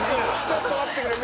ちょっと待ってくれ！